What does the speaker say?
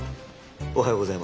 おはよう。